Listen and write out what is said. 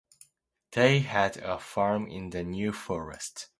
They had a farm in the New Forest.